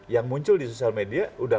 yang muncul di sosial media udah